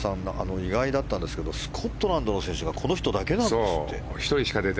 意外だったんですがスコットランドの選手がこの人だけなんですって。